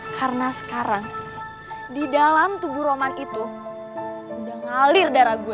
karena sekarang di dalam tubuh roman itu udah ngalir darah gue